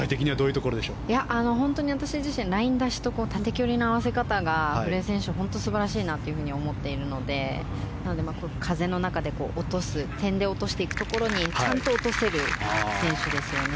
私自身ライン出しと縦距離の合わせ方が古江選手は素晴らしいと思っているので風の中で落とす点で落としていくところにちゃんと落とせる選手ですよね。